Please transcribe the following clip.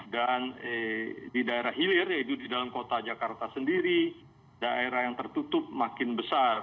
di daerah hilir yaitu di dalam kota jakarta sendiri daerah yang tertutup makin besar